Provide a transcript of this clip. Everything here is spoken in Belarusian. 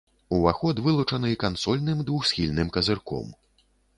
Уваход вылучаны кансольным двухсхільным казырком.